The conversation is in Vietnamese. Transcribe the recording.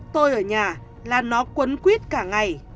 tôi ở nhà là nó quấn quyết cả ngày